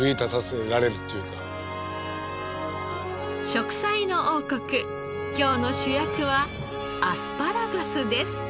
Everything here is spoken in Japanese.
『食彩の王国』今日の主役はアスパラガスです。